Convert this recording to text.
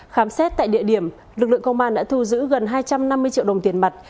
khám xét tại địa điểm lực lượng công an đã thu giữ gần hai trăm năm mươi triệu đồng tiền mặt